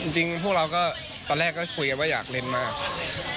จริงพวกเราก็ตอนแรกก็คุยกันว่าอยากเล่นมาก